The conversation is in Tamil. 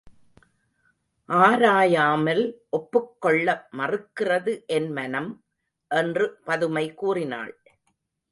ஆராயாமல் ஒப்புக்கொள்ள மறுக்கிறது என்மனம் என்று பதுமை கூறினாள்.